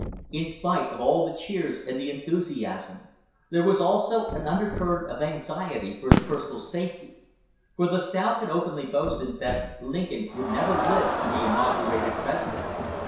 In spite of all the cheers and the enthusiasm, there was also an under current of anxiety for his personal safety, for the South had openly boasted that Lincoln would never live to be inaugurated President.